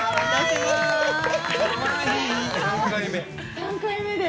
３回目です。